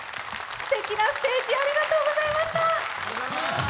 すてきなステージありがとうございました！